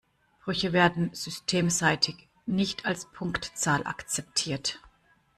Brüche werden systemseitig nicht als Punktzahl akzeptiert.